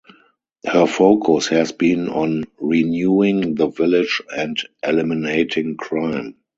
Her focus has been on renewing the village and eliminating crime.